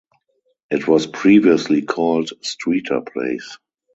It was previously called Streeter Place.